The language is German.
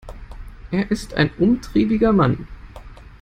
Er ist ein umtriebiger Mann.